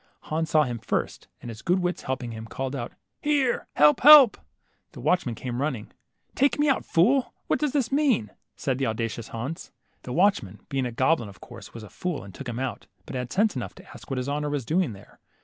Hans saw him first, and his good wits helping him, called out, Here ! help, help !" The watchman came running. '' Take me out, fool; what does this mean? " said the auda cious Hans. The watchman, being a goblin, of course was a fool arid took him out, but had sense enough to ask what his honor was doing there.